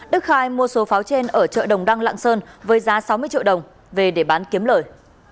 đức khai mua số pháo trên ở chợ đồng đăng lạng sơn với giá sáu mươi triệu đồng về để bán kiếm lời